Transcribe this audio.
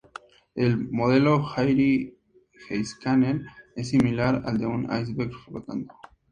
El modelo Airy-Heiskanen es similar al de un iceberg flotando.